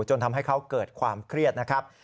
จนทำให้เขาเกิดความเครียดนะครับ